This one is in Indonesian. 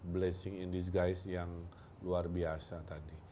blessing in disguise yang luar biasa tadi